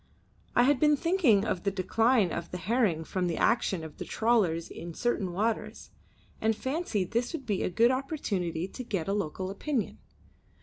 I had been thinking of the decline of the herring from the action of the trawlers in certain waters, and fancied this would be a good opportunity to get a local opinion.